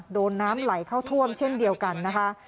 โดนน้ำไหลเข้าท่วมเช่นเดียวกันนะคะ